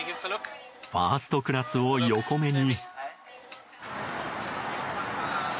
ファーストクラスを横目に。